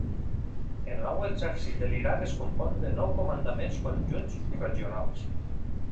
El Nou Exèrcit de l'Iraq es compon de nou comandaments conjunts regionals.